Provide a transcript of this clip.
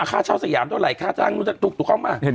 อ่าข้าเช่าสยามเท่าไหร่ข้าเช่านั้นตุกเข้ามา